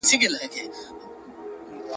په فضا کې د راکټونو کنټرول له ځمکې څخه کیږي.